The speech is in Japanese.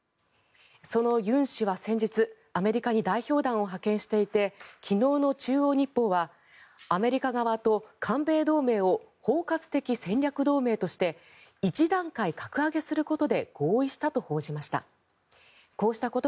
その尹氏は先日アメリカに代表団を派遣していて昨日の中央日報はアメリカ側と韓米同盟を包括的戦略同盟として一段階格上げすることで合意したと報じました。